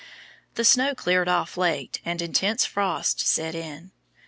The snow cleared off late, and intense frost set in.